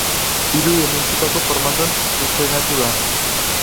Hiru dimentsiotako formatoan estreinatu da.